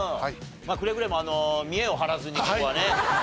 くれぐれも見栄を張らずにここはね確実に。